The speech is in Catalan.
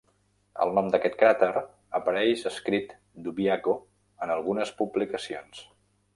El nom d'aquest cràter apareix escrit "Dubiago" en algunes publicacions.